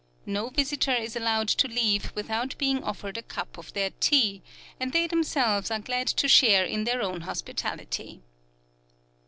No visitor is allowed to leave without being offered a cup of their tea, and they themselves are glad to share in their own hospitality.